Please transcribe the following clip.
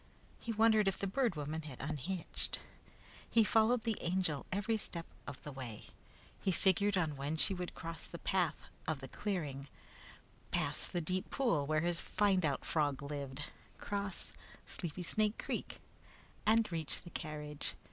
He wondered if the Bird Woman had unhitched. He followed the Angel every step of the way. He figured on when she would cross the path of the clearing, pass the deep pool where his "find out" frog lived, cross Sleepy Snake Creek, and reach the carriage.